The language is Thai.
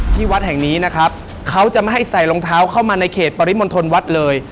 ที่วัดแห่งนี้นะครับเขาจะไม่ให้ใส่รองเท้าเข้ามาในเขตปริมณฑลวัดเลย